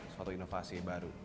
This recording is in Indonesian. suatu inovasi baru